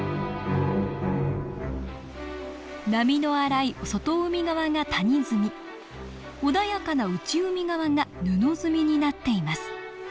波の荒い外海側が谷積み穏やかな内海側が布積みになっています。